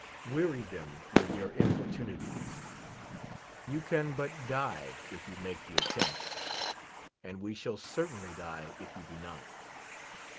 Weary them with your importunities. You can but die, if you make the attempt ; and we shall certainl}' die if 3'ou do not.